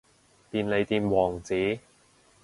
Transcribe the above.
便利店王子